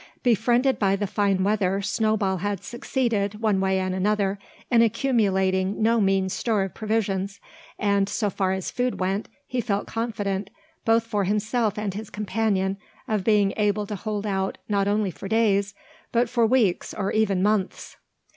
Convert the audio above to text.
Befriended by the fine weather, Snowball had succeeded, one way and another, in accumulating no mean store of provisions; and, so far as food went, he felt confident, both for himself and his companion, of being able to hold out not only for days, but for weeks or even months.